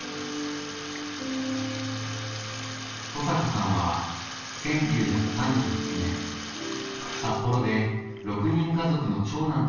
保阪さんは１９３９年札幌で６人家族の長男として生まれました。